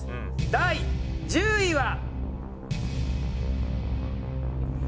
第１０位は。